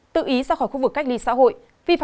tự ý ra khỏi khu vực cách ly xã hội